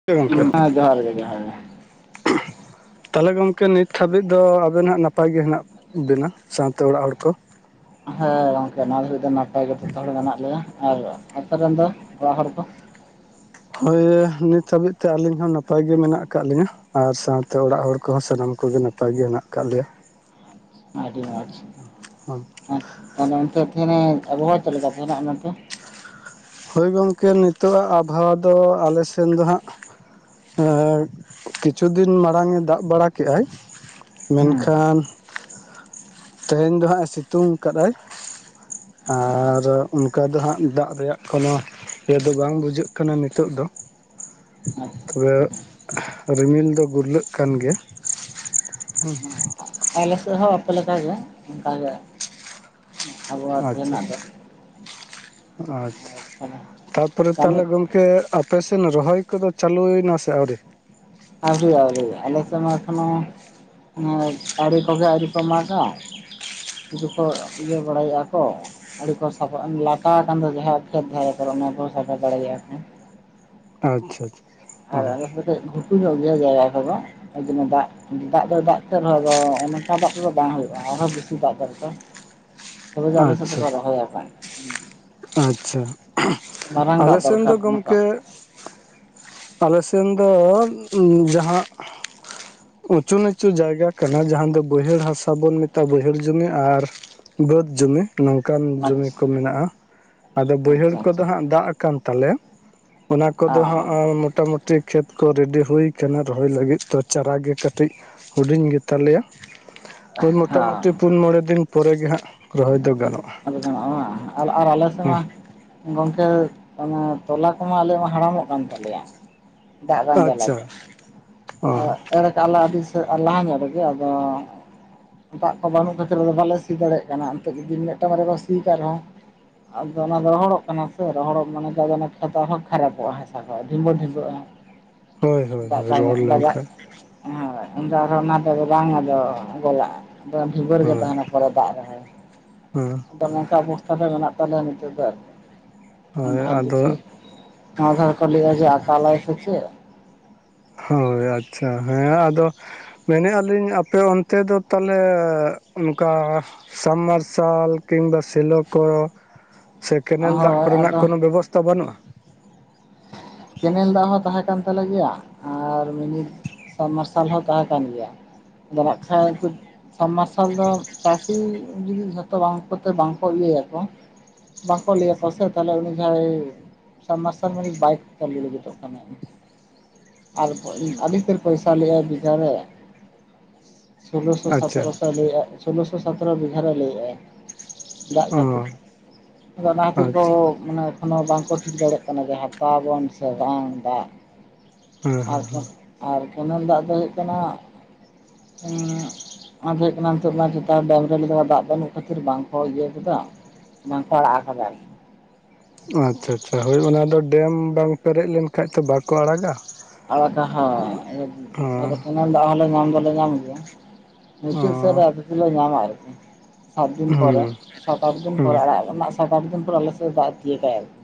[unintelligible] ᱜᱚᱝᱠᱮ ᱦᱮᱸ ᱡᱚᱦᱟᱨ ᱜᱮ ᱡᱚᱦᱟᱨ ᱜᱮ ᱛᱟᱦᱚᱞᱮ ᱜᱚᱝᱠᱮ ᱱᱤᱛ ᱦᱟᱹᱵᱤᱡ ᱫᱚ ᱟᱵᱮᱱ ᱦᱟᱸᱜ ᱱᱟᱯᱟᱭ ᱜᱮ ᱦᱮᱱᱟᱜ ᱵᱮᱱᱟ ᱥᱟᱶᱛᱮ ᱚᱲᱟᱜ ᱦᱚᱲ ᱠᱚ ᱦᱮᱸ ᱜᱚᱝᱠᱮ ᱱᱚᱣᱟ ᱫᱷᱟᱹᱨᱤᱡ ᱫᱚ ᱱᱟᱯᱟᱭ ᱜᱮ ᱡᱚᱛᱚ ᱦᱚᱲ ᱢᱮᱱᱟᱜ ᱞᱮᱭᱟ ᱟᱨ ᱟᱯᱮ ᱨᱮᱱ ᱫᱚ ᱚᱲᱟᱜ ᱦᱚᱲ ᱫᱚ ᱦᱳᱭ ᱱᱤᱛ ᱦᱟᱹᱵᱤᱡ ᱛᱮ ᱟᱹᱞᱤᱧ ᱦᱚᱸ ᱱᱟᱯᱟᱭ ᱜᱮ ᱢᱮᱱᱟᱜ ᱠᱟᱜ ᱞᱤᱧᱟᱹ ᱟᱨ ᱥᱟᱶᱛᱮ ᱚᱲᱟᱜ ᱦᱚᱲ ᱠᱚᱦᱚᱸ ᱥᱟᱱᱟᱢ ᱠᱚᱜᱮ ᱱᱟᱯᱟᱭ ᱜᱮ ᱦᱮᱱᱟᱜ ᱠᱟᱜ ᱞᱮᱭᱟ ᱟᱹᱰᱤ ᱢᱚᱸᱡᱽ ᱛᱟᱦᱞᱮ ᱚᱱᱛᱮ [unintelligible] ᱪᱮᱫᱞᱮᱠᱟ ᱛᱟᱦᱮᱱᱟ ᱚᱱᱟᱛᱮ ᱦᱳᱭ ᱜᱚᱝᱠᱮ ᱱᱤᱛᱚᱜ ᱟᱜ ᱟᱵᱷᱟᱦᱧᱭᱟ ᱫᱚ ᱟᱞᱮ ᱥᱮᱱ ᱫᱚ ᱦᱟᱸᱜ ᱠᱤᱪᱷᱩ ᱫᱤᱱ ᱢᱟᱲᱟᱝ-ᱮ ᱫᱟᱜ ᱵᱟᱲᱟ ᱠᱮᱜ-ᱟᱭ ᱦᱮᱸ ᱢᱮᱱᱠᱷᱟᱱ ᱛᱮᱦᱮᱧ ᱫᱚ ᱦᱟᱸᱜ ᱮ ᱥᱤᱛᱩᱝ ᱟᱠᱟᱫᱟᱭ ᱟᱨ ᱚᱱᱠᱟ ᱫᱚ ᱦᱟᱸᱜ ᱫᱟᱜ ᱨᱮᱭᱟᱜ ᱠᱳᱱᱚ ᱤᱭᱟᱹ ᱫᱚ ᱵᱟᱝ ᱵᱩᱡᱷᱟᱹᱜ ᱠᱟᱱᱟ ᱱᱤᱛᱚᱜ ᱫᱚ, ᱟᱪᱪᱷᱟ ᱛᱚᱵᱮ ᱟᱪᱪᱷᱟ ᱨᱤᱢᱤᱞ ᱫᱚ ᱜᱩᱨᱞᱟᱹᱜ ᱠᱟᱱ ᱜᱮᱭᱟ᱾ ᱦᱮᱸ᱾ ᱟᱞᱮ ᱥᱮᱫ ᱦᱚᱸ ᱟᱯᱮ ᱞᱠᱟ ᱜᱮ ᱚᱱᱠᱟᱜᱮ ᱟᱵᱚᱦᱟᱣᱭᱟ ᱟᱪᱪᱷᱟ ᱛᱤᱦᱤᱧᱟᱫ ᱫᱚ᱾ ᱟᱪᱪᱷᱟ ᱟᱨ ᱛᱟᱦᱚᱞᱮ ᱛᱟᱯᱚᱨᱮ ᱠᱟᱹᱢᱤ ᱛᱟᱦᱚᱞᱮ ᱜᱚᱝ ᱠᱮ ᱟᱯᱮᱥᱮᱱ ᱨᱚᱦᱚᱭ ᱠᱚᱫᱚ ᱪᱟᱹᱞᱩᱭᱮᱱᱟ ᱥᱮ ᱟᱹᱣᱨᱤ? ᱟᱣᱨᱤ ᱟᱣᱨᱤ ᱟᱞᱮ ᱥᱮᱱ ᱢᱟ ᱮᱠᱷᱚᱱᱚ ᱚᱱᱮ ᱟᱲᱮ ᱠᱚᱜᱮ ᱟᱹᱣᱨᱤ ᱠᱚ ᱢᱟᱜᱟ, ᱥᱩᱫᱩ ᱠᱚ ᱤᱭᱟᱹ ᱵᱟᱲᱟᱭᱮᱫᱼᱟ ᱠᱚ, ᱟᱲᱮ ᱠᱚ ᱥᱟᱯᱷᱟ ᱞᱟᱴᱟ ᱟᱠᱟᱱ ᱫᱚ ᱡᱟᱦᱟᱸ ᱠᱷᱮᱛ ᱫᱷᱟᱨᱮ ᱠᱚᱨᱮ ᱚᱱᱟ ᱠᱚ ᱥᱟᱯᱷᱟ ᱵᱟᱲᱟᱭᱮᱜᱼᱟ ᱠᱚ᱾ ᱟᱪᱪᱷᱟ ᱟᱪᱪᱷᱟ᱾ ᱟᱨ ᱚ ᱟᱞᱮ ᱥᱮᱫ ᱫᱚ ᱠᱟᱹᱡ ᱜᱩᱴᱩ ᱧᱚᱜ ᱜᱮᱭᱟ ᱡᱟᱭᱜᱟ ᱠᱚᱫᱚ, ᱡᱮᱱᱚ ᱫᱟᱜ ᱫᱟᱜ ᱫᱚ ᱫᱟᱜ ᱠᱮᱫ ᱨᱮᱦᱚᱸ ᱟᱫᱚ ᱚᱱᱠᱟ ᱫᱟᱜ ᱛᱮᱫᱚ ᱵᱟᱝ ᱦᱩᱭᱩᱜᱼᱟ ᱟᱨᱦᱚᱸ ᱵᱮᱥᱤ ᱫᱟᱜ ᱫᱚᱨᱠᱟᱨ᱾ [inaudible] ᱛᱚᱵᱮ ᱫᱚ ᱟᱞᱮ ᱥᱮᱫ ᱫᱚ ᱟᱪᱪᱷᱟ ᱠᱚ ᱨᱚᱦᱚᱭ ᱟᱠᱟᱱ ᱦᱩᱸ᱾ ᱟᱪᱪᱷᱟ ᱟᱞᱮᱥᱱ ᱫᱚ ᱫᱚᱨᱠᱟᱨ ᱱᱚᱝᱠᱟ ᱜᱚᱝᱠᱮ ᱟᱞᱮ ᱥᱮᱱ ᱫᱚ ᱡᱟᱦᱟᱸ ᱩᱪᱩ ᱱᱤᱪᱩ ᱡᱟᱭᱜᱟ ᱠᱟᱱᱟ ᱡᱟᱦᱟᱸ ᱫᱚ ᱵᱟᱹᱭᱦᱟᱹᱲ ᱦᱟᱥᱟ ᱵᱚᱱ ᱢᱮᱛᱟᱜ ᱵᱟᱹᱭᱦᱟᱹᱲ ᱡᱚᱢᱤ ᱟᱨ ᱵᱟᱹᱫᱽ ᱡᱚᱢᱤ ᱱᱚᱝᱠᱟᱱ ᱡᱚᱢᱤ ᱟᱪᱪᱷᱟ ᱠᱚ ᱢᱮᱱᱟᱜᱼᱟ ᱟᱫᱚ ᱵᱟᱹᱭᱦᱟᱹᱲ ᱟᱪᱪᱷᱟ ᱠᱚᱫᱚ ᱦᱟᱸᱜ ᱫᱟᱜ ᱠᱟᱱ ᱛᱟᱞᱮᱭᱟ ᱚᱱᱟ ᱠᱚᱫᱚ ᱟᱪᱪᱷᱟ ᱦᱟᱸᱜ ᱢᱚᱴᱟ ᱢᱩᱩᱴᱤ ᱠᱷᱮᱛ ᱠᱚ ᱨᱮᱰᱤ ᱦᱩᱭ ᱠᱟᱱᱟ ᱨᱚᱦᱚᱭ ᱞᱟᱹᱜᱤᱫ ᱛᱚ ᱪᱟᱨᱟ ᱜᱮ ᱠᱟᱹᱴᱤᱡ ᱦᱩᱰᱤᱧ ᱜᱮᱛᱟᱞᱮᱭᱟ ᱳᱭ ᱢᱚᱴᱟᱢᱩᱴᱤ ᱯᱩᱱ ᱢᱚᱬᱮ ᱫᱤᱱ ᱯᱚᱨᱮᱜ ᱜᱮ ᱦᱟᱸᱜ ᱨᱚᱦᱚᱭ ᱫᱚ ᱜᱟᱱᱚᱜᱼᱟ ᱟᱫᱚ ᱜᱟᱱᱚᱜᱼᱟ ᱵᱟᱝ ᱟᱨ ᱟᱞᱮ ᱥᱮᱫ ᱦᱮᱸ ᱢᱟ ᱜᱚᱝᱠᱮ ᱚᱱᱟ ᱛᱚᱞᱟ ᱠᱚ ᱢᱟ ᱟᱞᱮ ᱢᱟ ᱦᱟᱲᱟᱢᱚᱜ ᱠᱟᱱ ᱛᱟᱞᱮᱭᱟ᱾ ᱫᱟᱜ ᱵᱟᱝ ᱟᱪᱪᱷᱟ ᱡᱟᱞᱟᱛᱮ ᱚ ᱟᱨ ᱮᱨ ᱠᱟᱜ ᱞᱮ ᱟᱰᱤ ᱞᱟᱦᱟ ᱧᱚᱜ ᱨᱮᱜᱮ ᱟᱫᱚ ᱫᱟᱜ ᱠᱚ ᱵᱟᱹᱱᱩᱜ ᱠᱷᱟᱹᱛᱤᱨ ᱟᱫᱚ ᱵᱟᱞᱮ ᱥᱤ ᱫᱟᱲᱮᱭᱟᱜ ᱠᱟᱱᱟ ᱮᱱᱛᱮ ᱡᱩᱫᱤ ᱢᱤᱫᱴᱟᱝ ᱵᱟᱨᱭᱟ ᱠᱚ ᱥᱤ ᱠᱟᱫ ᱨᱮᱦᱚᱸ ᱟᱫᱚ ᱚᱱᱟ ᱫᱚ ᱨᱚᱦᱚᱲᱚᱜ ᱠᱟᱱᱟ ᱥᱮ ᱨᱚᱦᱚᱲᱚᱜ ᱢᱟᱱᱮ ᱡᱟ ᱡᱚᱱᱱᱚ ᱠᱷᱮᱛ ᱟᱨᱦᱚᱸ ᱠᱷᱟᱨᱟᱯᱚᱜᱼᱟ ᱦᱟᱥᱟ ᱠᱚ ᱰᱷᱤᱸᱵᱟᱹ ᱰᱷᱤᱸᱵᱟᱹᱜᱼᱟ᱾ ᱦᱳᱭ ᱦᱳᱭ ᱫᱟᱜ ᱵᱟᱭ ᱨᱚᱦᱚᱲ ᱧᱟᱢ ᱵᱟᱭ ᱫᱟᱜ ᱞᱮᱱᱠᱷᱟᱱ ᱦᱳᱭ ᱩᱱ ᱫᱚ ᱟᱨᱦᱚᱸ ᱚᱱᱟ ᱫᱚ ᱟᱫᱚ ᱵᱟᱝ ᱟᱫᱚ ᱜᱚᱞᱟᱜ-ᱟ, ᱟᱫᱚ ᱵᱷᱤᱵᱟᱹ ᱨᱮᱜᱮ ᱦᱳᱭ ᱛᱟᱦᱮᱱᱟ ᱯᱚᱨᱮ ᱫᱟᱜ ᱨᱮᱦᱚᱸᱭ᱾ ᱦᱮᱸ᱾ ᱟᱫᱚ ᱱᱚᱝᱠᱟ ᱚᱵᱚᱥᱛᱟ ᱫᱚ ᱢᱮᱱᱟᱜ ᱛᱟᱞᱮᱭᱟ ᱱᱤᱛᱚᱜ ᱫᱚ ᱟᱨᱠᱤ ᱦᱳᱭ ᱵᱟᱷᱰ ᱟᱫᱚ ᱫᱮᱠᱷᱤ ᱱᱚᱣᱟ ᱫᱷᱟᱣ ᱠᱚ ᱞᱮᱭᱮᱜ-ᱟ ᱡᱮ ᱟᱠᱟᱞᱟᱭ ᱥᱮ ᱪᱮᱫ? ᱦᱳᱭ ᱟᱪᱪᱷᱟ ᱦᱮᱸ ᱟᱫᱚ ᱢᱮᱱᱮᱜ ᱟᱞᱤᱧ ᱟᱯᱮ ᱚᱱᱛᱮ ᱫᱚ ᱛᱟᱦᱚᱞᱮ ᱚᱱᱠᱟ ᱥᱟᱢ ᱢᱟᱨᱥᱟᱞ ᱠᱤᱝᱵᱟ ᱥᱮᱞᱳ ᱠᱚ ᱥᱮ ᱠᱮᱱᱮᱞ ᱫᱟᱜ ᱦᱳᱭ ᱠᱚᱨᱮᱱᱟᱜ ᱟᱫᱚ ᱠᱳᱱᱚ ᱵᱮᱵᱚᱥᱛᱷᱟ ᱵᱟᱹᱱᱩᱜᱼᱟ? ᱠᱮᱱᱮᱞ ᱫᱟᱜ ᱦᱚᱸ ᱛᱟᱦᱮᱸ ᱠᱟᱱ ᱛᱟᱞᱮ ᱜᱮᱭᱟ ᱟᱨ ᱢᱤᱱᱤ ᱥᱟᱢ ᱢᱟᱨᱥᱟᱞ ᱦᱚᱸ ᱛᱟᱸᱦᱮ ᱠᱟᱱ ᱜᱮᱭᱟ, ᱟᱫᱚ ᱱᱟᱜᱜᱷᱟᱡ ᱩᱱᱠᱩ ᱥᱟᱢ ᱢᱟᱨᱥᱟᱞ ᱫᱚ ᱪᱟᱹᱥᱤ ᱡᱩᱫᱤ ᱡᱷᱚᱛᱚ ᱵᱟᱝ ᱠᱚᱛᱮ ᱵᱟᱝᱠᱚ ᱤᱭᱟᱹᱭᱟ ᱠᱚ, ᱵᱟᱝᱠᱚ ᱞᱟᱹᱭᱟ ᱠᱚ ᱥᱮ ᱛᱟᱦᱞᱮ ᱩᱱᱤ ᱡᱟᱦᱟᱸᱭ ᱥᱟᱢ ᱢᱟᱨᱥᱟᱞ ᱢᱟᱞᱤᱠ ᱵᱟᱭ ᱪᱟᱹᱞᱩ ᱞᱟᱹᱜᱤᱫᱚᱜ ᱠᱟᱱᱟ ᱟᱨ ᱟᱹᱰᱤ ᱩᱥᱛᱟᱹᱨ ᱯᱚᱭᱥᱟ ᱞᱟᱹᱭᱮᱜᱼᱟᱭ ᱵᱤᱜᱷᱟ ᱨᱮ ᱥᱳᱞᱳᱚᱥᱚ ᱟᱪᱪᱷᱟ ᱥᱚᱛᱮᱨᱚᱥᱚ ᱞᱟᱹᱭᱮᱜᱼᱟ, ᱥᱳᱞᱳᱚᱥᱚ ᱥᱚᱛᱮᱨᱚ ᱵᱤᱜᱷᱟ ᱨᱮ ᱞᱟᱹᱭᱮᱫᱼᱟᱭ᱾ ᱫᱟᱜᱽ ᱚ ᱠᱷᱟᱹᱛᱤᱨ ᱟᱫᱚ ᱚᱱᱟ ᱠᱷᱟᱹᱛᱤᱨ ᱠᱚ ᱟᱪᱪᱷᱟ ᱢᱟᱱᱮ ᱮᱠᱷᱚᱱᱳ ᱵᱟᱝᱠᱚ ᱴᱷᱤᱠ ᱫᱟᱲᱮᱜ ᱠᱟᱱᱟ ᱡᱮ ᱦᱟᱛᱟᱣᱟᱵᱚᱱ ᱥᱮ ᱵᱟᱝ ᱫᱟᱜᱽ ᱦᱮᱸ ᱦᱮᱸ ᱟᱨᱠᱤ ᱟᱨ ᱠᱮᱱᱮᱞ ᱫᱟᱜᱽ ᱫᱚ ᱦᱩᱭᱩᱜ ᱠᱟᱱᱟ ᱦᱟᱸᱜ ᱩᱸᱻ ᱟᱫᱚ ᱦᱩᱭᱩᱜ ᱠᱟᱱᱟ ᱱᱤᱛᱚᱜ ᱱᱚᱭᱟ ᱪᱮᱛᱟᱱ ᱰᱮᱢ ᱨᱮ ᱫᱟᱜᱽ ᱵᱟᱹᱱᱩᱜ ᱠᱷᱟᱹᱛᱤᱨ ᱵᱟᱝ ᱠᱚ ᱤᱭᱟᱹᱭ ᱞᱮᱫᱟ᱾ ᱵᱟᱝ ᱠᱚ ᱟᱲᱟᱜᱠᱟᱫᱟ ᱟᱨᱠᱤ ᱟᱪᱪᱷᱟ ᱟᱪᱪᱷᱟ ᱦᱳᱭ ᱚᱱᱟᱫᱚ ᱰᱮᱢ ᱵᱟᱝ ᱯᱮᱨᱮᱜ ᱞᱮᱱᱠᱷᱟᱭ ᱛᱚ ᱵᱟᱠᱚ ᱟᱲᱟᱜᱟ᱾ ᱟᱲᱟᱠᱟ ᱦᱚ [unintelligible] ᱟᱫᱚ ᱦᱮᱸ ᱠᱮᱱᱮᱞ ᱫᱟᱜᱽ ᱦᱚᱸᱞᱮ ᱧᱟᱢ ᱫᱚᱞᱮ ᱧᱟᱢ ᱜᱮᱭᱟ᱾ ᱚ ᱢᱩᱪᱟᱹᱜ ᱥᱮᱜ ᱨᱮ ᱟᱯᱮᱥᱮᱱ ᱫᱚ ᱵᱟᱝ [unintelligible] ᱥᱟᱛ ᱫᱤᱱ ᱯᱚᱨᱮ ᱦᱩᱸ ᱥᱟᱛ ᱟᱴ ᱫᱤᱱ ᱦᱩᱸ ᱯᱚᱨᱮ ᱟᱲᱟᱜ ᱨᱮᱱᱟᱜ ᱥᱟᱛ ᱟᱴ ᱫᱤᱱ ᱯᱚᱨᱮ ᱟᱞᱮᱥᱮᱜ ᱫᱟᱜᱽ ᱛᱤᱭᱟᱹᱜᱟᱭ ᱟᱨᱠᱤ᱾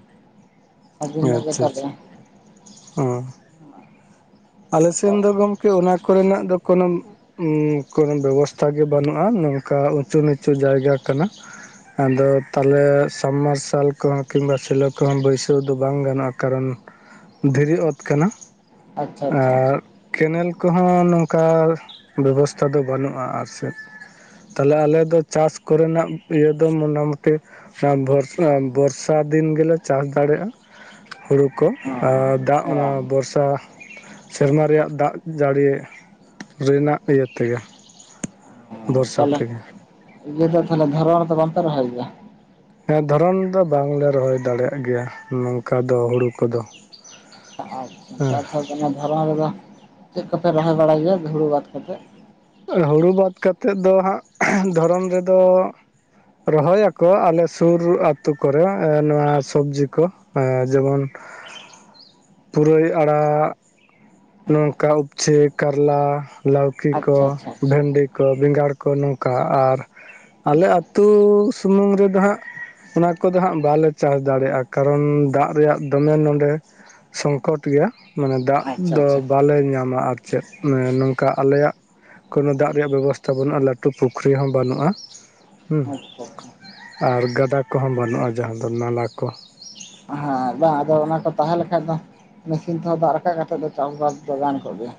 ᱥᱟᱺᱜᱤᱧ ᱧᱚᱜ ᱟᱪᱪᱷᱟ ᱟᱪᱪᱷᱟ ᱜᱮᱛᱟᱞᱮᱭᱟ ᱦᱚᱸ ᱟᱫᱚ ᱟᱞᱮᱥᱮᱱ ᱫᱚ ᱜᱚᱝᱠᱮ ᱚᱱᱟ ᱠᱚᱨᱮᱱᱟᱜ ᱫᱚ ᱠᱚᱱᱚᱢ ᱩᱸ ᱠᱚᱱᱚ ᱵᱮᱵᱚᱥᱛᱷᱟ ᱜᱮ ᱵᱟᱹᱱᱩᱜᱼᱟ ᱱᱚᱝᱠᱟ ᱩᱪᱩ ᱱᱤᱪᱩ ᱡᱟᱭᱜᱟ ᱠᱟᱱᱟ᱾ ᱟᱫᱚ ᱛᱟᱦᱚᱞᱮ [unintelligible] ᱢᱟᱨᱥᱟᱞ ᱠᱚᱦᱚᱸ ᱠᱤᱢᱵᱟ ᱥᱮᱞᱚ ᱠᱚᱦᱚᱸ ᱵᱟᱹᱭᱥᱟᱹᱣ ᱫᱚ ᱵᱟᱝ ᱜᱟᱱᱚᱜᱼᱟ ᱠᱟᱨᱚᱱ, ᱫᱷᱤᱨᱤ ᱚᱛ ᱠᱟᱱᱟ᱾ ᱟᱪᱪᱷᱟ ᱟᱪᱪᱷᱟ ᱟᱪᱪᱷᱟ᱾ ᱟᱨ ᱠᱮᱱᱮᱞ ᱠᱚᱦᱚᱸ ᱱᱚᱝᱠᱟ ᱵᱮᱵᱚᱥᱛᱷᱟ ᱫᱚ ᱵᱟᱹᱱᱩᱜᱼᱟ ᱟᱨ ᱥᱮᱫ ᱛᱟᱦᱞᱮ ᱟᱞᱮ ᱫᱚ ᱪᱟᱥ ᱠᱚᱨᱮᱱᱟᱜ ᱤᱭᱟᱹ ᱫᱚ ᱢᱚᱴᱟᱢᱩᱴᱤ, ᱟᱸ ᱵᱚᱨᱥᱟ ᱵᱚᱨᱥᱟ ᱫᱤᱱ ᱜᱮᱞᱮ ᱪᱟᱥ ᱫᱟᱲᱮᱜᱼᱟ᱾ ᱦᱩᱲᱩ ᱠᱚ ᱟᱨ ᱫᱟᱜᱽ ᱦᱚᱸ ᱚᱱᱟ ᱵᱚᱨᱥᱟ ᱥᱮᱨᱢᱟ ᱨᱮᱭᱟᱜ ᱫᱟᱜᱽ ᱡᱟᱹᱲᱤ ᱨᱮᱱᱟᱜ ᱤᱭᱟᱹ ᱛᱮᱜᱮ᱾ ᱦᱚᱸ ᱵᱚᱨᱥᱟ ᱛᱟᱦᱚᱞᱮ ᱛᱮᱜᱮ, ᱤᱭᱟᱹ ᱫᱚ ᱛᱟᱦᱚᱞᱮ ᱫᱷᱚᱨᱚᱱ ᱫᱚ ᱵᱟᱝᱯᱮ ᱨᱚᱦᱚᱭ ᱜᱮᱭᱟ? ᱦᱮᱸ ᱫᱷᱚᱨᱚᱱ ᱫᱚ ᱵᱟᱝᱞᱮ ᱨᱚᱦᱚᱭ ᱫᱟᱲᱮᱭᱟᱜ ᱜᱮᱭᱟ ᱱᱚᱝᱠᱟ ᱫᱚ ᱦᱩᱲᱩ ᱠᱚᱫᱚ᱾ ᱟ ᱟᱪᱪᱷᱟ ᱦᱮᱸ ᱟᱪᱪᱷᱟ ᱚᱱᱟ ᱫᱷᱚᱨᱚᱱ ᱨᱮᱫᱚ ᱪᱮᱜ ᱠᱚᱯᱮ ᱨᱚᱦᱚᱭ ᱵᱟᱲᱟᱭ ᱜᱮᱭᱟ ᱦᱩᱲᱩ ᱵᱟᱫ ᱠᱟᱛᱮᱜ? ᱦᱩᱲᱩ ᱵᱟᱫ ᱠᱟᱛᱮᱜ ᱫᱚ ᱦᱟᱸᱜ ᱫᱷᱚᱨᱚᱢ ᱨᱮᱫᱚ ᱨᱚᱦᱚᱭᱟᱠᱚ ᱟᱞᱮ ᱥᱩᱨ ᱟᱛᱚ ᱠᱚᱨᱮ ᱮᱸ ᱱᱚᱣᱟ ᱥᱚᱵᱽᱡᱤ ᱠᱚ᱾ ᱮᱸ ᱡᱮᱢᱚᱱ ᱯᱩᱨᱟᱹᱭ ᱟᱲᱟᱜ ᱱᱚᱝᱠᱟ ᱩᱯᱪᱷᱤ ᱠᱟᱨᱞᱟ ᱞᱟᱹᱣᱠᱤ ᱠᱚ ᱟᱪᱪᱷᱟ ᱟᱪᱪᱷᱟ ᱟᱪᱪᱷᱟ ᱵᱷᱮᱱᱰᱤ ᱠᱚ ᱵᱮᱸᱜᱟᱲ ᱠᱚ ᱱᱚᱝᱠᱟ ᱟᱨ ᱟᱞᱮ ᱟᱹᱛᱩ ᱥᱩᱢᱩᱝ ᱨᱮᱫᱚ ᱦᱟᱸᱜ, ᱚᱱᱟ ᱠᱚᱫᱚ ᱦᱟᱸᱜ ᱵᱟᱞᱮ ᱪᱟᱥ ᱫᱟᱲᱮᱭᱟᱜᱼᱟ ᱠᱟᱨᱚᱱ ᱫᱟᱜᱽ ᱨᱮᱭᱟᱜ ᱫᱚᱢᱮ ᱱᱚᱸᱰᱮ ᱥᱚᱝᱠᱚᱴ ᱜᱮᱭᱟ ᱢᱟᱱᱮ ᱫᱟᱜᱽ ᱟᱪᱪᱷᱟ ᱟᱪᱪᱷᱟ ᱫᱚ ᱟᱪᱪᱷᱟ ᱵᱟᱞᱮ ᱧᱟᱢᱟ ᱟᱨ ᱪᱮᱫ ᱚᱱᱮ ᱱᱚᱝᱠᱟ ᱟᱞᱮᱭᱟᱜ ᱠᱚᱱ ᱫᱟᱜᱽ ᱨᱮᱭᱟᱜ ᱵᱮᱵᱚᱥᱛᱷᱟ ᱵᱟᱹᱱᱩᱜᱼᱟ ᱞᱟᱹᱴᱩ ᱯᱩᱠᱷᱨᱤ ᱦᱚᱸ ᱵᱟᱹᱱᱩᱜᱼᱟ᱾ ᱦᱮᱸ ᱟᱪᱪᱷᱟ ᱟᱪᱪᱷᱟ ᱟᱪᱪᱷᱟ᱾ ᱟᱨ ᱜᱟᱰᱟ ᱠᱚᱦᱚᱸ ᱵᱟᱹᱱᱩᱜᱼᱟ ᱡᱟᱦᱟᱸ ᱫᱚ ᱱᱟᱞᱟ ᱠᱚ᱾ ᱦᱮᱸ ᱵᱟᱝ ᱟᱫᱚ ᱚᱱᱟ ᱠᱚ ᱛᱟᱦᱮᱸ ᱞᱮᱠᱷᱟᱭ ᱫᱚ ᱢᱮᱥᱤᱱ ᱛᱮᱦᱚᱸ ᱫᱟᱜᱽ ᱨᱟᱠᱟᱵ ᱠᱟᱛᱮᱜ ᱫᱚ ᱪᱟᱥ ᱵᱟᱥ ᱫᱚ ᱜᱟᱱ ᱠᱚᱜᱮᱭᱟ᱾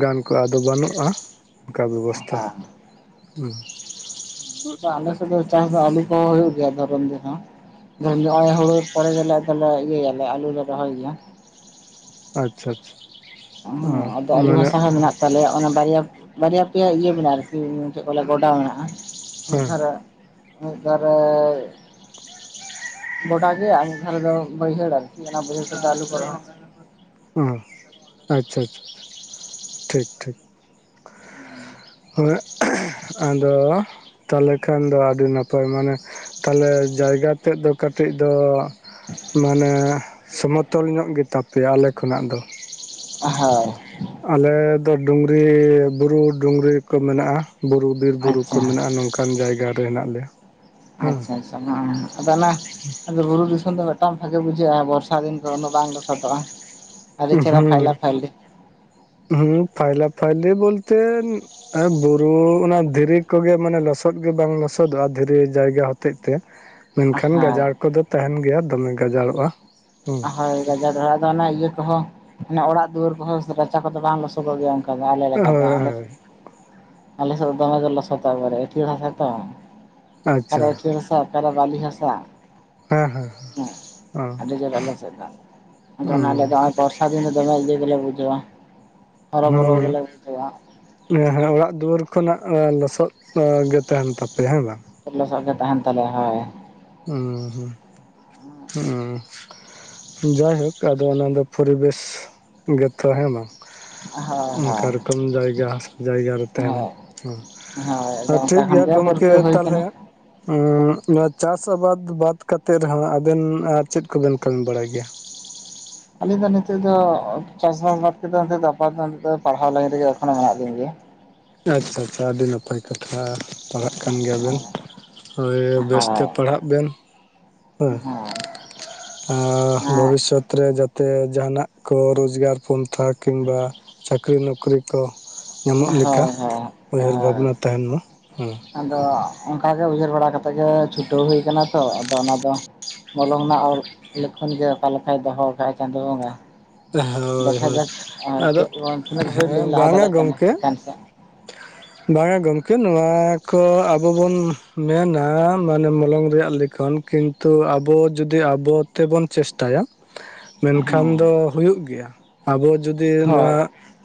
ᱜᱟᱱ ᱠᱚᱜᱼᱟ ᱟᱫᱚ ᱵᱟᱹᱱᱩᱜᱼᱟ ᱚᱱᱠᱟ ᱵᱮᱵᱚᱥᱛᱷᱟ ᱦᱮᱸ ᱦᱩᱸ, ᱵᱥ ᱟᱞᱮᱥᱮᱜ ᱫᱚ ᱪᱟᱥ ᱫᱚ ᱟᱞᱩ ᱠᱚᱦᱚᱸ ᱦᱩᱭᱩᱜ ᱜᱮᱭᱟ ᱫᱷᱚᱨᱚᱱ ᱫᱤᱱ ᱦᱚᱸ᱾ ᱱᱚᱜᱼᱚᱭ ᱦᱩᱲᱩ ᱯᱚᱨᱮ ᱜᱮᱞᱮ ᱟᱫᱚᱞᱮ ᱤᱭᱟᱹᱭᱟᱞᱮ ᱟᱞᱩ ᱞᱮ ᱨᱚᱦᱚᱭ ᱜᱮᱭᱟ᱾ ᱟᱪᱪᱷᱟ ᱟᱪᱪᱷᱟ᱾ ᱦᱩᱸ ᱚ ᱟᱫᱚ ᱟᱞᱩ ᱢᱟᱱᱮ ᱦᱟᱥᱟ ᱦᱚᱸ ᱢᱮᱱᱟᱜ ᱛᱟᱞᱮᱭᱟ ᱚᱱᱟ ᱵᱟᱨᱭᱟ ᱵᱟᱨᱭᱟ ᱯᱮᱭᱟ ᱤᱭᱟᱹ ᱢᱮᱱᱟᱜᱼᱟ ᱟᱨᱠᱤ ᱪᱮᱜ ᱠᱚ ᱞᱟᱹᱭ ᱜᱚᱰᱟ ᱢᱮᱱᱟᱜᱼᱟ ᱢᱤᱫ ᱦᱮᱸ ᱫᱷᱟᱨᱟ ᱢᱤᱜ ᱫᱟᱨᱮ ᱜᱚᱰᱟ ᱜᱮᱭᱟ ᱟᱨ ᱢᱤᱜ ᱫᱷᱟᱨᱮ ᱫᱚ ᱵᱟᱹᱭᱦᱟᱹᱲ ᱟᱨᱠᱤ ᱚᱱᱟ ᱵᱟᱹᱭᱦᱟᱹᱲ ᱨᱮᱫᱚ ᱟᱞᱩ ᱠᱚᱨᱮ ᱦᱚᱸ ᱩᱸ ᱟᱪᱪᱷᱟ ᱟᱪᱪᱷᱟ ᱴᱷᱤᱠ ᱴᱷᱤᱠ᱾ ᱟᱫᱚ ᱛᱟᱦᱚᱞᱮ ᱠᱷᱟᱱ ᱫᱚ ᱟᱹᱰᱤ ᱱᱟᱯᱟᱭ ᱢᱟᱱᱮ ᱛᱟᱞᱦᱮ ᱡᱟᱭᱜᱟ ᱛᱮᱫ ᱫᱚ ᱠᱟᱹᱴᱤᱡ ᱫᱚ ᱢᱟᱱᱮ ᱥᱚᱢᱚᱛᱚᱞ ᱧᱚᱜ ᱜᱮᱛᱟ ᱯᱮᱭᱟ ᱟᱞᱮ ᱠᱷᱚᱱᱟᱜ ᱫᱚ᱾ ᱦᱳᱭ ᱟᱞᱮᱫᱚ ᱰᱩᱝᱨᱤ ᱵᱩᱨᱩ ᱰᱩᱝᱨᱩ ᱠᱚ ᱢᱮᱱᱟᱜᱼᱟ, ᱵᱩᱨᱩ ᱵᱤᱨ ᱵᱩᱨᱩ ᱠᱚ ᱟᱪᱪᱷᱟ ᱢᱮᱱᱟᱜᱼᱟ ᱱᱚᱝᱠᱟ᱾ ᱠᱟᱱ ᱡᱟᱭᱜᱟ ᱨᱮ ᱦᱮᱱᱟᱜ ᱞᱮᱭᱟ᱾ ᱟᱪᱪᱷᱟ ᱟᱪᱪᱷᱟ ᱢᱟ ᱟᱫᱚ ᱚᱱᱟ ᱟᱫᱚ ᱵᱩᱨᱩ ᱫᱤᱥᱚᱢ ᱫᱚ ᱢᱤᱫᱴᱟᱝ ᱵᱷᱟᱜᱮ ᱵᱩᱡᱷᱟᱹᱜᱼᱟ, ᱵᱚᱨᱥᱟ ᱫᱤᱱ ᱫᱚ ᱩᱱᱟᱹᱜ ᱵᱟᱝ ᱞᱚᱥᱚᱫᱚᱜᱼᱟ᱾ ᱟᱹᱰᱤ ᱪᱮᱦᱨᱟ ᱩᱸ-ᱦᱩᱸ ᱯᱷᱟᱭᱞᱟ ᱯᱷᱟᱭᱞᱤ ᱡᱩᱸ ᱯᱷᱟᱭᱞᱟ ᱯᱷᱟᱭᱞᱤ ᱵᱚᱞᱛᱮᱱ ᱮ ᱵᱩᱨᱩ ᱚᱱᱟ ᱫᱷᱤᱨᱤ ᱠᱚᱜᱮ ᱢᱟᱱᱮ ᱞᱚᱥᱚᱫ ᱜᱮ ᱵᱟᱝ ᱞᱚᱥᱚᱫᱚᱜ-ᱟ, ᱫᱷᱤᱨᱤ ᱡᱟᱭᱜᱟ ᱦᱚᱛᱮᱡ ᱛᱮ᱾ ᱢᱮᱱᱠᱷᱟᱱ ᱦᱳᱭ ᱜᱟᱡᱟᱲ ᱠᱚᱫᱚ ᱛᱟᱦᱮᱱ ᱜᱮᱭᱟ, ᱫᱚᱢᱮ ᱜᱟᱡᱟᱲᱚᱜ-ᱟ᱾ ᱦᱳᱭ ᱜᱟᱡᱟᱲ ᱨᱮᱦᱚ ᱟᱫᱚ ᱚᱱᱟ ᱤᱭᱟᱹ ᱠᱚᱦᱚᱸ ᱚᱱᱟ ᱚᱲᱟᱜ ᱫᱩᱣᱟᱹᱨ ᱠᱚᱦᱚᱸ ᱨᱟᱪᱟ ᱠᱚᱫᱚ ᱵᱟᱝ ᱞᱚᱥᱚ ᱥᱟᱫᱟᱜ ᱜᱮᱭᱟ ᱚᱱᱠᱟ ᱫᱚ, ᱟᱞᱮ ᱞᱮᱠᱟ ᱫᱚ, ᱦᱳᱭ ᱟᱞᱮ ᱦᱳᱭ ᱟᱞᱮ ᱥᱮᱫ ᱫᱚ ᱫᱚᱢᱮ ᱜᱮ ᱞᱚᱥᱚᱫ-ᱟᱵᱟᱨᱮ, ᱟᱹᱴᱷᱭᱟᱲ ᱦᱟᱥᱟ ᱛᱚ᱾ ᱟᱨᱮ ᱟᱪᱪᱷᱟ ᱟᱹᱴᱤᱭᱟᱹᱟᱹᱲ ᱦᱟᱥ ᱚᱠᱟ ᱨᱮ ᱵᱟᱞᱤ ᱦᱟᱥᱟ᱾ ᱦᱮᱸ ᱦᱮᱸ᱾ ᱦᱮ ᱟᱹᱰᱤ ᱡᱟᱞᱟ ᱟᱞᱮ ᱥᱮᱫ ᱫᱚ᱾ ᱟᱫᱚ ᱟᱞᱮ ᱦᱩᱸ ᱫᱚ ᱱᱚᱜ-ᱚᱭ ᱵᱚᱨᱥᱟ ᱫᱤᱱ ᱫᱚ ᱫᱚᱢᱮ ᱤᱭᱟᱹ ᱜᱮᱞᱮ ᱵᱩᱡᱷᱟᱹᱣᱟ᱾ ᱦᱚᱨᱚᱵᱚᱨᱚ ᱦᱩᱸ᱾ ᱜᱮᱞᱮ ᱵᱩᱡᱷᱟᱹᱣᱟ ᱮᱸ ᱦᱟ ᱚᱲᱟᱜ ᱫᱩᱣᱟᱹᱨ ᱠᱷᱚᱱᱟᱜ ᱮ ᱞᱚᱥᱚᱫ ᱜᱮ ᱛᱟᱦᱮᱱ ᱛᱟᱯᱮᱭᱟ ᱦᱮᱸ ᱵᱟᱝ? ᱦᱳᱭ ᱞᱚᱥᱚᱫ ᱜᱮ ᱛᱟᱦᱮᱱ ᱛᱟᱞᱮᱭᱟ ᱦᱳᱭ᱾ ᱩᱸ-ᱦᱩᱸ, ᱦᱩᱸ-ᱩᱸ᱾ ᱡᱟᱭᱦᱳᱠ ᱟᱫᱚ ᱚᱱᱟ ᱫᱚ ᱯᱚᱨᱤᱵᱮᱥ ᱜᱮᱛᱚ ᱦᱮᱸ ᱢᱟ? ᱦᱳᱭ ᱚᱱᱠᱟ ᱦᱳᱭ ᱨᱚᱠᱚᱢ ᱡᱟᱭᱜᱟ ᱡᱟᱭᱜᱟ ᱨᱮ ᱛᱟᱦᱮᱱ ᱦᱳᱭ ᱦᱳᱭ ᱟᱫᱚ ᱟᱨ ᱚᱱᱠᱟ ᱠᱷᱚᱱ ᱴᱷᱤᱠᱜᱮᱭᱟ ᱜᱮ ᱜᱚᱢᱠᱮ ᱯᱟᱹᱨᱠᱟᱹᱣ ᱦᱩᱭ ᱟᱠᱟᱱᱟ ᱛᱟᱞᱦᱮ ᱱᱟᱣᱟ ᱪᱟᱥ ᱟᱵᱟᱫ ᱵᱟᱫ ᱠᱟᱛᱮᱫ ᱨᱮᱦᱚᱸ ᱟᱵᱮᱱ ᱟᱨ ᱪᱮᱫ ᱠᱚᱵᱮᱱ ᱠᱟᱹᱢᱤ ᱵᱟᱲᱟᱭ ᱜᱮᱭᱟ? ᱟᱹᱞᱤᱧ ᱫᱚ ᱱᱤᱛᱚᱜ ᱫᱚ ᱪᱟᱥᱵᱟᱥ ᱵᱟᱫ ᱠᱟᱛᱮ ᱫᱚ ᱱᱤᱛ ᱫᱚ ᱯᱟᱲᱦᱟᱣ ᱞᱟᱭᱤᱱ ᱨᱮᱜᱮ ᱮᱠᱷᱚᱱᱚ ᱢᱮᱱᱟᱜ ᱞᱤᱧ ᱜᱮᱭᱟ᱾ ᱟᱪᱪᱷᱟ ᱟᱪᱪᱷᱟ ᱟᱹᱰᱤ ᱱᱟᱯᱟᱭ᱾ ᱠᱟᱛᱷᱟ ᱯᱟᱲᱦᱟᱜ ᱠᱟᱱ ᱜᱮᱭᱟ ᱵᱮᱱ, ᱦᱳᱭ ᱦᱳᱭ ᱵᱮᱥᱛᱮ ᱯᱟᱲᱦᱟᱜ ᱵᱮᱱ᱾ ᱦᱮᱸ᱾ [inaudible] ᱟ ᱵᱷᱚᱵᱤᱥᱚᱛ ᱨᱮ ᱡᱟᱛᱮ ᱡᱟᱦᱟᱱᱟᱜ ᱠᱚ ᱨᱚᱡᱽᱜᱟᱨ ᱯᱚᱱᱛᱷᱟ ᱠᱤᱢᱵᱟ-ᱼ ᱪᱟᱹᱠᱨᱤ ᱱᱚᱠᱨᱤ ᱠᱚ ᱧᱟᱢᱚᱜ ᱞᱮᱠᱟ ᱦᱳᱭ ᱦᱳᱭ ᱩᱭᱦᱟᱹᱨ ᱦᱳᱭ ᱵᱷᱟᱵᱽᱱᱟ ᱛᱟᱦᱮᱱ ᱢᱟ ᱦᱮᱸ᱾ ᱟᱫᱚ ᱚᱱᱠᱟᱜᱮ ᱩᱭᱦᱟᱹᱨ ᱵᱟᱲᱟ ᱠᱟᱛᱮᱜ ᱜᱮ ᱪᱷᱩᱴᱟᱹᱣ ᱦᱩᱭ ᱟᱠᱟᱱᱟ ᱛᱷᱚ ᱟᱫᱚ ᱚᱱᱟ ᱫᱚ ᱢᱚᱞᱚᱝ ᱨᱮᱱᱟᱜ ᱚᱞ ᱞᱤᱠᱷᱚᱱ ᱜᱮ ᱚᱠᱟ ᱞᱮᱠᱟᱭ ᱫᱚᱦᱚᱣ ᱟᱠᱟᱭ ᱪᱟᱸᱫᱳ ᱵᱚᱸᱜᱟ᱾ ᱦᱳᱭ ᱫᱮᱠᱷ ᱦᱳᱭ ᱡᱟᱠ ᱟᱨ ᱟᱫᱚ ᱪᱮᱫ ᱵᱚᱱ ᱛᱤᱱᱟᱹᱜ ᱫᱷᱟᱹᱵᱤᱡ ᱦᱮᱸ ᱞᱤᱧ ᱞᱟᱦᱟ ᱵᱟᱝᱟ ᱫᱟᱲᱮᱭᱟᱜ ᱠᱟᱱᱟ᱾ ᱜᱚᱢᱠᱮ ᱪᱮᱛᱟᱱ ᱥᱮᱫ [inaudible] ᱵᱟᱝᱟ ᱜᱚᱢᱠᱮ ᱱᱚᱣᱟ ᱠᱚ ᱟᱵᱚ ᱵᱚᱱ ᱢᱮᱱᱟ ᱢᱟᱱᱮ ᱢᱚᱞᱚᱝ ᱨᱮᱭᱟᱜ ᱞᱮᱠᱷᱚᱱ᱾ ᱠᱤᱱᱛᱩ ᱟᱵᱚ ᱡᱩᱫᱤ ᱟᱵᱚ ᱛᱮᱵᱚᱱ ᱪᱮᱥᱴ ᱴᱟᱭᱟ᱾ ᱢᱮᱱᱠᱷᱟᱱ ᱫᱚ ᱦᱮᱸ ᱦᱩᱭᱩᱜ ᱜᱮᱭᱟ᱾ ᱟᱵᱚ ᱡᱩᱫᱤ ᱱᱚᱣᱟ ᱦᱳᱭ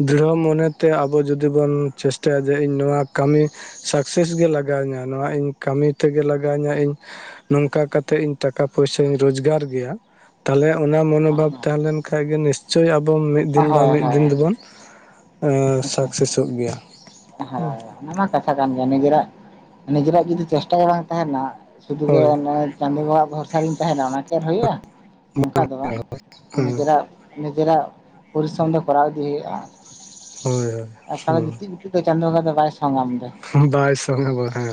ᱫᱨᱤᱲᱦᱚ ᱢᱚᱱᱮᱛᱮ ᱟᱵᱚ ᱡᱩᱫᱤ ᱵᱚᱱ ᱪᱮᱥᱴᱟᱭᱟ ᱡᱮ ᱤᱧ ᱱᱚᱣᱟ ᱠᱟᱹᱢᱤ ᱥᱟᱠᱥᱮᱥ ᱜᱮ ᱞᱟᱜᱟᱣ ᱤᱧᱟᱹ, ᱱᱚᱣᱟ ᱤᱧ ᱠᱟᱹᱢᱤ ᱛᱮᱜᱮ ᱞᱟᱜᱟᱣ ᱤᱧᱟᱹ ᱤᱧ᱾ ᱱᱚᱝᱠᱟ ᱠᱟᱛᱮᱜ ᱤᱧ ᱴᱟᱠᱟ ᱯᱚᱭᱥᱟᱧ ᱨᱳᱡᱽᱜᱟᱨ ᱜᱮᱭᱟ᱾ ᱛᱟᱞᱚᱦᱮ ᱚᱱᱟ ᱢᱚᱱᱳᱵᱷᱟᱵ ᱛᱟᱦᱮᱸᱞᱮᱱ ᱠᱷᱟᱱᱡ ᱜᱮ ᱱᱤᱥᱪᱳᱭ ᱟᱵᱚ ᱢᱤᱫ ᱫᱤᱱ ᱵᱟ ᱦᱳᱭ ᱢᱤᱫ ᱦᱳᱭ ᱫᱤᱱ ᱫᱚᱵᱚᱱ ᱟᱪᱪᱷᱟ᱾ ᱥᱟᱠᱥᱮᱥᱚᱜ ᱜᱮᱭᱟ ᱦᱳᱭ᱾ ᱚᱱᱟ ᱢᱟ ᱠᱟᱛᱷᱟ ᱠᱟᱱ ᱜᱮᱭᱟ᱾ ᱱᱤᱡᱮᱨᱟᱜ ᱱᱤᱡᱮᱨᱟᱜ ᱡᱩᱫᱤ ᱪᱮᱥᱴᱟ ᱜᱮ ᱵᱟᱝ ᱛᱟᱦᱮᱱᱟ ᱥᱩᱫᱩ ᱜᱮ ᱦᱳᱭ ᱚᱱᱮ ᱪᱟᱸᱫᱳ ᱵᱟᱵᱟᱣᱟᱜ ᱵᱷᱚᱨᱥᱟ ᱨᱤᱧ ᱛᱟᱦᱮᱱᱟ ᱚᱱᱟ ᱠᱷᱮᱨ ᱦᱩᱭᱩᱜᱼᱟ ᱚᱱᱠᱟ ᱫᱚ ᱵᱟᱝ ᱦᱮᱸ ᱱᱤᱡᱮᱨᱟᱜ ᱱᱤᱡᱮᱨᱟᱜ ᱯᱚᱨᱤᱥᱨᱚᱢ ᱫᱚ ᱠᱚᱨᱟᱣ ᱤᱫᱤ ᱦᱩᱭᱩᱜ-ᱟ᱾ ᱦᱳᱭ ᱦᱳᱭ ᱟᱨᱠᱟᱞᱮ ᱜᱤᱛᱤᱡ ᱜᱤᱛᱤᱡ ᱛᱮ ᱪᱟᱸᱫᱳ ᱵᱚᱸᱜᱟ ᱫᱚ ᱵᱟᱭ ᱥᱚᱝᱜᱟᱢ ᱫᱚᱭ ᱵᱟᱭ ᱥᱚᱝ ᱦᱮᱸ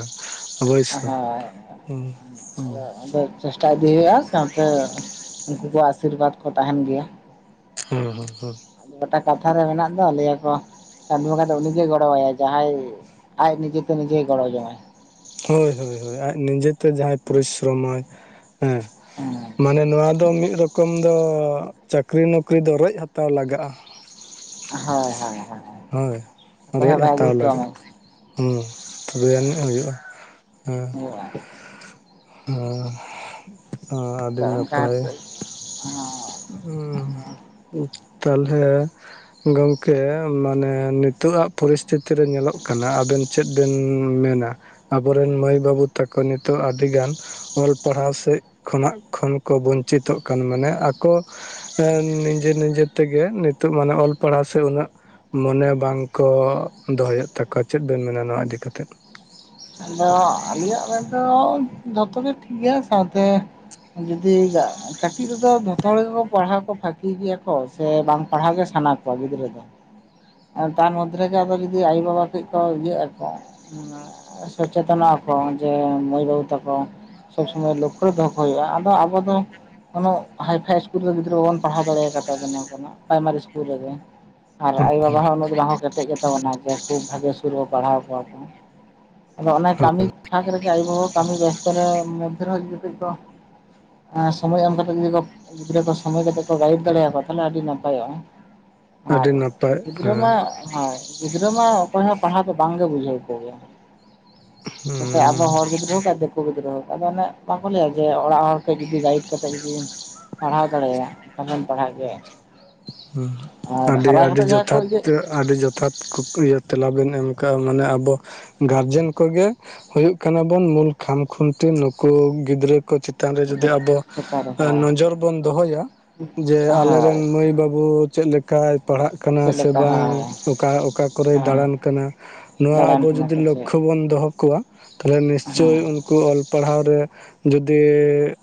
ᱚᱵᱚᱥᱚ ᱦᱳᱭ ᱦᱩᱸ ᱦᱩᱸ ᱟᱫᱚ ᱟᱫᱚ ᱪᱮᱥᱴᱟ ᱤᱫᱤ ᱦᱩᱭᱩᱜ-ᱟ ᱥᱟᱶᱛᱮ ᱩᱱᱠᱩ ᱠᱚᱣᱟᱜ ᱟᱥᱤᱨᱵᱟᱫᱽ ᱠᱚ ᱛᱟᱦᱮᱱ ᱜᱮᱭᱟ ᱦᱩᱸ ᱦᱩᱸ ᱦᱩᱸ ᱜᱚᱴᱟ ᱠᱟᱛᱷᱟ ᱨᱮ ᱢᱮᱱᱟᱜ ᱫᱚ [unintelligible] ᱪᱟᱸᱫᱳ ᱵᱚᱝᱜᱟ ᱫᱚ ᱩᱱᱤᱜᱮ ᱜᱚᱲᱚᱣᱟᱭᱟᱭ ᱡᱟᱦᱟᱸᱭ ᱟᱡ ᱱᱤᱡᱮᱛᱮ ᱱᱤᱡᱮ ᱜᱚᱲᱚ ᱡᱚᱝᱟᱭ ᱦᱳᱭ ᱦᱳᱭ ᱟᱡ ᱱᱤᱡᱮᱛᱮ ᱡᱟᱦᱟᱸᱭ ᱯᱚᱨᱤᱥᱨᱚᱢᱟᱭ ᱦᱮᱸ ᱦᱮᱸ ᱢᱟᱱᱮ ᱱᱚᱣᱟ ᱫᱚ ᱢᱤᱫ ᱨᱚᱠᱚᱢ ᱚᱠᱚᱢ ᱫᱚ ᱪᱟᱹᱠᱨᱤ ᱱᱚᱠᱨᱤ ᱫᱚ ᱨᱮᱡ ᱦᱟᱛᱟᱣ ᱞᱟᱜᱟᱜ-ᱟ᱾‌ ᱦᱳᱭ ᱦᱳᱭ ᱦᱳᱭ ᱚᱠᱚᱭ ᱨᱚᱡ ᱦᱚᱸ ᱵᱟᱭ ᱟᱹᱜᱩ ᱦᱟᱛᱟᱣ ᱦᱚᱴᱚ ᱞᱟᱜᱟᱜ ᱟᱢᱟᱭ ᱦᱩᱸ ᱛᱚᱵᱮ ᱟᱹᱱᱤᱡ ᱦᱩᱭᱩᱜ-ᱟ ᱦᱩᱸ ᱦᱩᱭᱩᱜᱼᱟ ᱦᱩᱸ ᱟᱹᱰᱤ ᱟᱫᱚ ᱚᱱᱠᱟ ᱱᱟᱯᱟᱭ ᱠᱟᱛᱮᱫ ᱦᱚᱸ ᱦᱩᱸ ᱛᱟᱞᱦᱮ ᱜᱚᱝᱠᱮ ᱢᱟᱱᱮ ᱱᱤᱛᱚᱜ ᱟᱜ ᱯᱚᱨᱤᱥᱛᱷᱤᱛᱤ ᱨᱮ ᱧᱮᱞᱚᱜ ᱠᱟᱱᱟ ᱟᱵᱮᱱ ᱪᱮᱫ ᱵᱮᱱ ᱢᱮᱱᱟ ᱟᱵᱚᱨᱮᱱ ᱢᱟᱹᱭ ᱵᱟᱹᱵᱩ ᱛᱟᱠᱚ ᱱᱤᱛᱚᱜᱟ ᱟᱹᱰᱤᱜᱟᱱ ᱚᱞ ᱯᱟᱲᱦᱟᱣ ᱥᱮᱫ ᱠᱷᱚᱱᱟᱜ ᱠᱷᱚᱱ ᱠᱚ ᱵᱚᱧᱪᱤᱛᱚᱜ ᱠᱟᱱ ᱢᱟᱱᱮ ᱟᱠᱚ ᱱᱤᱡᱮ ᱱᱤᱡᱮ ᱛᱮᱜᱮ ᱱᱤᱛᱚᱜ ᱢᱟᱱᱮ ᱚᱞ ᱯᱟᱲᱦᱟᱣ ᱥᱮ ᱩᱱᱟᱹᱜ ᱢᱚᱱᱮ ᱵᱟᱝ ᱠᱚ ᱫᱚᱦᱚᱭᱮᱫ ᱛᱟᱠᱚᱣᱟ ᱪᱮᱫ ᱵᱮᱱ ᱢᱮᱱᱟ ᱱᱚᱣᱟ ᱤᱫᱤ ᱠᱟᱛᱮᱫ ᱟᱫᱚ ᱟᱞᱤᱭᱟᱜ ᱢᱮᱱᱫᱚ ᱡᱷᱚᱛᱚ ᱜᱮ ᱴᱷᱤᱠ ᱜᱮᱭᱟ ᱥᱟᱶᱛᱮ ᱡᱩᱫᱤ ᱜᱟ ᱠᱟᱹᱴᱤᱡ ᱨᱮᱫᱚ ᱡᱷᱚᱛᱚ ᱦᱚᱲ ᱜᱮᱠᱚ ᱯᱟᱲᱦᱟᱣ ᱠᱚ ᱯᱷᱟᱠᱤ ᱜᱮᱭᱟ ᱠᱚ ᱥᱮ ᱵᱟᱝ ᱯᱟᱲᱦᱟᱣ ᱜᱮ ᱥᱟᱱᱟ ᱠᱚᱣᱟ ᱜᱤᱫᱽᱨᱟᱹ ᱫᱚ [inaudible] ᱛᱟᱨ ᱢᱚᱫᱽᱫᱷᱮ ᱨᱮᱜᱮ ᱟᱫᱚ ᱡᱩᱫᱤ ᱟᱭᱳ ᱵᱟᱵᱟ ᱠᱟᱹᱡ ᱠᱚ ᱤᱭᱟᱹᱜ ᱟᱠᱚ ᱥᱪᱮᱛᱚᱱᱚᱜ ᱟᱠᱚ ᱡᱮ ᱢᱟᱹᱭ ᱵᱟᱹᱵᱩ ᱛᱟᱠᱚ ᱥᱚᱵᱽ ᱥᱚᱢᱚᱭ ᱞᱚᱠᱷᱨᱮ ᱫᱚᱦᱚ ᱠᱟᱜ ᱦᱩᱭᱩᱜ-ᱟ ᱟᱫᱚ ᱟᱵᱚ ᱫᱚ ᱳᱱᱳᱜ ᱦᱟᱭᱯᱷᱟᱭ ᱤᱥᱠᱩᱞ ᱨᱮᱫᱚ ᱜᱤᱫᱽᱨᱟᱹ ᱵᱟᱵᱚᱱ ᱯᱟᱲᱦᱟᱣ ᱫᱟᱲᱮ ᱟᱠᱚ ᱛᱟᱵᱚᱱᱟ ᱯᱨᱟᱭᱢᱟᱨᱤ ᱤᱥᱠᱩᱞ ᱨᱮᱜᱮ ᱟᱨ ᱟᱭᱚ ᱵᱟᱵᱟ ᱦᱚᱸ ᱩᱱᱟᱹᱜ ᱫᱚ ᱵᱟᱝᱠᱚ ᱠᱮᱴᱮᱡ ᱜᱮᱛᱟ ᱵᱚᱱᱟ ᱡᱮ ᱠᱷᱩᱵ ᱵᱷᱟᱜᱮ ᱤᱥᱠᱩᱞ ᱨᱮᱠᱚ ᱯᱟᱲᱦᱟᱣ ᱠᱚᱣᱟ ᱠᱚ ᱟᱫᱚ ᱚᱱᱟ ᱠᱟᱹᱢᱤ ᱯᱷᱟᱸᱠ ᱨᱮᱜᱮ ᱟᱭᱳ-ᱵᱟᱵᱟ ᱠᱟᱹᱢᱤ ᱵᱮᱥᱛᱚ ᱨᱮ ᱢᱚᱫᱽᱫᱷᱮ ᱨᱮᱦᱚ ᱠᱟᱹᱡ ᱠᱚ ᱥᱚᱢᱚᱭ ᱮᱢ ᱠᱟᱛᱮ ᱡᱩᱫᱤ ᱠᱚ ᱜᱤᱫᱽᱨᱟᱹ ᱠᱚ ᱥᱚᱢᱚᱭ ᱠᱟᱛᱮᱜ ᱠᱚ ᱜᱟᱭᱤᱰ ᱫᱟᱲᱮᱭ ᱟᱠᱚᱣᱟ ᱛᱟᱦᱞᱮ ᱟᱰᱤ ᱱᱟᱯᱟᱭᱚᱜ-ᱟ᱾ ᱟᱨ ᱟᱹᱰᱤ ᱱᱟᱯᱟᱭ ᱜᱤᱫᱽᱨᱟᱹ ᱦᱮᱸ ᱢᱟ ᱦᱚᱭ ᱜᱤᱫᱽᱨᱟᱹ ᱢᱟ ᱚᱠᱚᱭ ᱦᱚᱸ ᱯᱟᱲᱦᱟᱣ ᱠᱚ ᱵᱟᱝᱜᱮ ᱵᱩᱡᱷᱟᱹᱣ ᱠᱚᱜᱮᱭᱟ ᱦᱩᱸ ᱱᱚᱛᱮ ᱟᱵᱚ ᱦᱚᱲ ᱜᱤᱫᱨᱟᱹ ᱦᱳᱠ ᱟᱨ ᱫᱤᱠᱩ ᱠᱩ ᱜᱤᱫᱽᱨᱟᱹ ᱦᱳᱠ ᱟᱫᱚ ᱚᱱᱮ ᱵᱟᱠᱚ ᱞᱟᱹᱭᱟ ᱡᱮ ᱚᱲᱟᱜ ᱦᱚᱲ ᱠᱟᱹᱡ ᱡᱩᱫᱤ ᱜᱟᱭᱤᱰ ᱠᱟᱛᱮᱫ ᱡᱩᱫᱤᱢ ᱯᱟᱲᱦᱟᱣ ᱫᱟᱲᱮᱭ ᱭᱟ ᱟᱢ ᱦᱚᱢ ᱯᱟᱲᱦᱟᱜ ᱜᱮ ᱦᱩᱸ ᱟᱨ ᱦᱟᱨᱟ ᱠᱟᱛᱮ ᱡᱟᱦᱟᱸ ᱠᱚ ᱤᱭᱟᱹᱜ ᱟᱰᱤ ᱡᱚᱛᱷᱟᱛ ᱠᱩ ᱤᱭᱟᱹ ᱛᱮᱞᱟ ᱵᱤᱱ ᱮᱢ ᱠᱟᱜ-ᱟ ᱢᱟᱱᱮ ᱟᱵᱚ ᱜᱟᱨᱡᱮᱱ ᱠᱚᱜᱮ ᱦᱩᱭᱩᱜ ᱠᱟᱱᱟᱵᱚᱱ ᱢᱩᱞ ᱠᱷᱟᱢᱠᱷᱩᱱᱴᱤ ᱱᱩᱠᱩ ᱜᱤᱫᱽᱨᱟᱹ ᱠᱚ ᱪᱮᱛᱟᱱ ᱨᱮ ᱡᱩᱫᱤ ᱜᱤᱫᱽᱨᱟᱹ ᱟᱵᱚ ᱪᱮᱛᱟᱱ ᱨᱮ ᱦᱳᱭ ᱱᱚᱡᱚᱨ ᱵᱚᱱ ᱫᱚᱦᱚᱭᱟ ᱡᱮ ᱟᱞᱮᱨᱮᱱ ᱦᱳᱭ ᱢᱟᱹᱭ ᱵᱟᱹᱵᱩ ᱪᱮᱫ ᱞᱮᱠᱟᱭ ᱯᱟᱲᱦᱟᱜ ᱠᱟᱱᱟ ᱪᱮᱫ ᱥᱮ ᱞᱮᱠᱟ ᱵᱟᱝ ᱦᱳᱭ ᱚᱠᱟ ᱚᱠᱟ ᱠᱚᱨᱮᱭ ᱦᱳᱭ ᱫᱟᱬᱟᱱ ᱠᱟᱱᱟ? ᱱᱚᱣᱟ ᱫᱟᱬᱟᱱ ᱟᱵᱚ ᱠᱟᱱᱟ ᱡᱩᱫᱤ ᱥᱮ ᱪᱮᱫ ᱞᱚᱠᱷᱚ ᱵᱚᱱ ᱫᱚᱦᱚ ᱠᱚᱣᱟ ᱛᱟᱦᱞᱮ ᱦᱮᱸ ᱱᱤᱥᱪᱳᱭ ᱠᱩ ᱚᱞ ᱯᱟᱲᱦᱟᱣ ᱨᱮ ᱡᱩᱫᱤ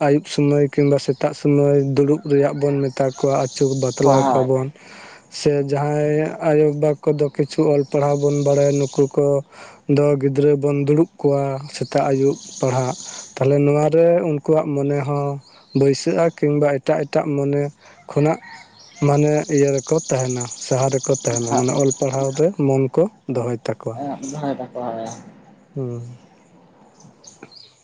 ᱟᱹᱭᱩᱵ ᱥᱩᱢᱟᱹᱭ ᱠᱤᱝᱵᱟ ᱥᱮᱛᱟᱜ ᱥᱩᱢᱟᱹᱭ ᱫᱩᱲᱩᱵ ᱨᱮᱭᱟᱜ ᱵᱚᱱ ᱢᱮᱛᱟ ᱠᱚᱣᱟ ᱟᱹᱪᱩ ᱵᱟᱛᱞᱟᱣ ᱦᱳᱭ ᱠᱚᱣᱟᱵᱚᱱ ᱥᱮ ᱡᱟᱦᱟᱸᱭ ᱟᱭᱳ-ᱵᱟ ᱠᱚᱫᱚ ᱠᱤᱪᱷᱩ ᱚᱞ ᱯᱟᱲᱦᱟᱣ ᱵᱚᱱ ᱵᱟᱲᱟᱭᱟ ᱱᱩᱠᱩ ᱠᱚ ᱫᱚ ᱜᱤᱫᱽᱨᱟᱹ ᱵᱚᱱ ᱫᱩᱲᱩᱵ ᱠᱚᱣᱟ ᱥᱮᱛᱟᱜ ᱟᱹᱭᱩᱵ ᱯᱟᱲᱦᱟᱜ᱾ ᱛᱟᱦᱞᱮ ᱱᱚᱣᱟ ᱨᱮ ᱩᱱᱠᱩᱣᱟᱜ ᱢᱚᱱᱮ ᱦᱚᱸ ᱵᱟᱹᱭᱥᱟᱹᱜ-ᱟ ᱠᱤᱝᱵᱟ ᱮᱴᱟᱜ ᱮᱴᱟ ᱮᱴᱟᱜ ᱢᱚᱱᱮ ᱠᱷᱚᱱᱟᱜ ᱢᱟᱱᱮ ᱤᱭᱟᱹ ᱨᱮᱠᱚ ᱛᱟᱦᱮᱱᱟ ᱥᱟᱦᱟ ᱨᱮ ᱠᱚ ᱛᱟᱦᱮᱱᱟ ᱢᱟᱱᱮ ᱚᱞ ᱯᱟᱲᱦᱟᱣ ᱨᱮ ᱢᱚᱱ ᱠᱚ ᱫᱚᱦᱚᱭ ᱛᱟ ᱦᱮᱸ [unintelligible] [unintelligible] ᱦᱩᱸ [inaudible]